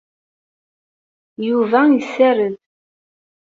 Yuba yessared.